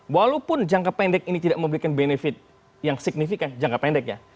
walaupun jangka pendek ini tidak memberikan benefit yang signifikan jangka pendek ya